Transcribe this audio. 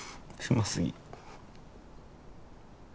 うますぎ